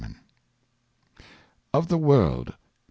Of the World.